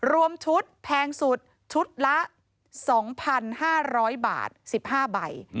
รวมชุดแพงสุดชุดละ๒๕๐๐บาท๑๕ใบ